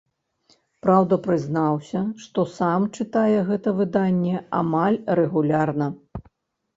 Праўда, прызнаўся, што сам чытае гэта выданне амаль рэгулярна.